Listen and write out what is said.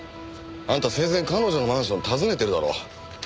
あんた生前彼女のマンションを訪ねてるだろう。